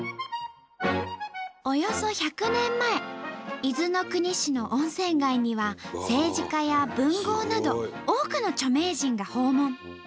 およそ１００年前伊豆の国市の温泉街には政治家や文豪など多くの著名人が訪問。